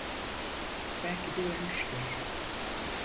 Belki de ölmüştür.